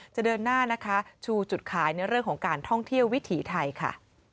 จะเดินหน้านะคะชูจุดขายในเรื่องของการท่องเที่ยววิถีไทยค่ะ